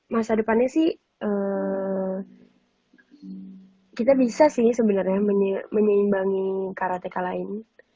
masa depannya sih kita bisa sih sebenarnya menyeimbangi karateka lain